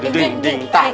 jeting ding ta